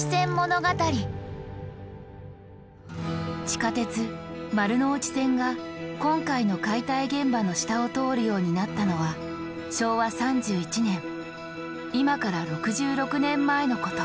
地下鉄・丸ノ内線が今回の解体現場の下を通るようになったのは昭和３１年今から６６年前のこと。